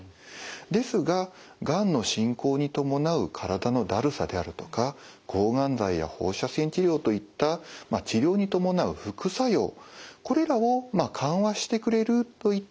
ですががんの進行に伴う体のだるさであるとか抗がん剤や放射線治療といった治療に伴う副作用これらを緩和してくれるといった効果